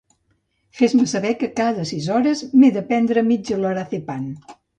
Fes-me saber que cada sis hores m'he de prendre mig Lorazepam.